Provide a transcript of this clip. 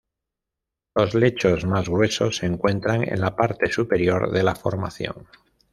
Los lechos más gruesos se encuentran en la parte superior de la formación.